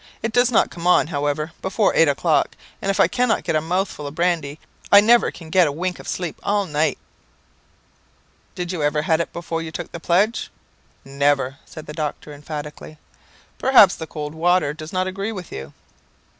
It does not come on, however, before eight o'clock, and if I cannot get a mouthful of brandy, I never can get a wink of sleep all night." "Did you ever have it before you took the pledge?" "Never," said the doctor emphatically. "Perhaps the cold water does not agree with you?"